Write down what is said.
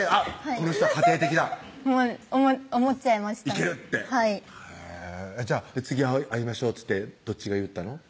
この人は家庭的だ思っちゃいましたいけるってはい「次会いましょう」っつってどっちが言ったの？